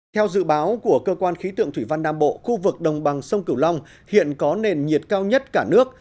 theo dự báo của cơ quan khí tượng thủy văn nam bộ khu vực đồng bằng sông cửu long hiện có nền nhiệt cao nhất cả nước